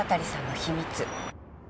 秘密？